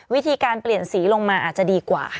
วิธีการเปลี่ยนสีลงมาอาจจะดีกว่า